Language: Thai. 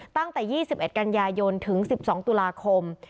ตั้งแต่๒๑กันยายนถึง๑๒ตุลาคม